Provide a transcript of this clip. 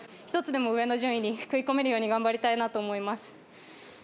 一つでも上の順位に食い込めるように頑張りたいと思います。